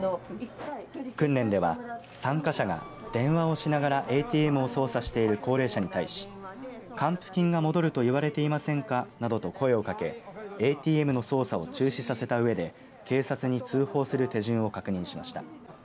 訓練では参加者が電話をしながら、ＡＴＭを操作している高齢者に対し還付金が戻ると言われていませんかなどと声をかけＡＴＭの操作を中止させたうえで警察に通報する手順を確認しました。